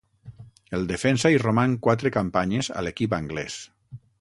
El defensa hi roman quatre campanyes a l'equip anglès.